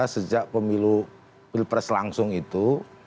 sejak pemilu pilpres langsung itu